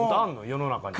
世の中に。